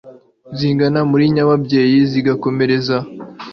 zigana muri nyababyeyi, zigakomereza